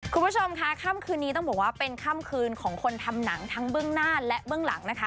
คุณผู้ชมค่ะค่ำคืนนี้ต้องบอกว่าเป็นค่ำคืนของคนทำหนังทั้งเบื้องหน้าและเบื้องหลังนะคะ